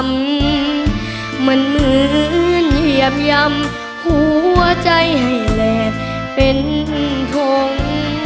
มันเหมือนเหยียบยำหัวใจให้แหลกเป็นทง